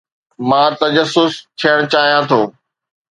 مان تجسس ٿيڻ چاهيان ٿو.